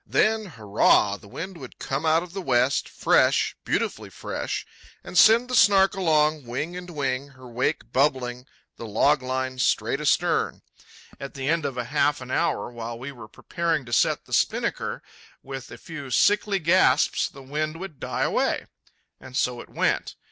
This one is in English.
Then—hurrah!—the wind would come out of the west, fresh, beautifully fresh, and send the Snark along, wing and wing, her wake bubbling, the log line straight astern. At the end of half an hour, while we were preparing to set the spinnaker, with a few sickly gasps the wind would die away. And so it went.